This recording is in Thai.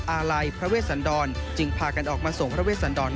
อาลัยพระเวชสันดรจึงพากันออกมาส่งพระเวสันดร